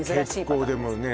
結構でもね